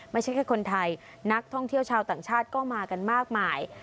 ไม่ใช่แค่คนไทยนักท่องเที่ยวชาวต่างชาติก็มากันมากมาย